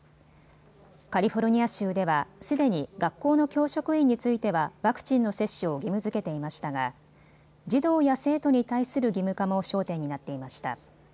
カリフォルニア州ではすでに学校の教職員についてはワクチンの接種を義務づけていましたが児童や生徒に対する義務化も焦点になっていました。